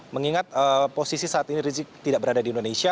mengingat posisi saat ini rizik tidak berada di indonesia